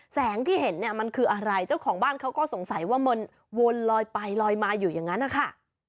แสงที่เห็นเนี่ยมันคืออะไรเจ้าของบ้านเขาก็สงสัยว่ามันวนลอยไปลอยมาอยู่อย่างนั้นนะคะ